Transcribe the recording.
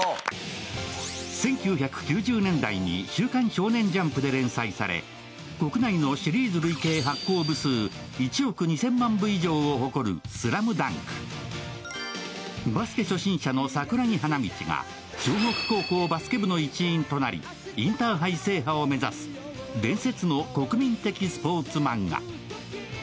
１９９０年代に「週刊少年ジャンプ」で連載され国内のシリーズ累計発行部数１億２０００万部以上を誇るバスケ初心者の桜木花道が湘北高校バスケ部の一員となりインターハイ制覇を目指す伝説の国民的スポーツマンガ。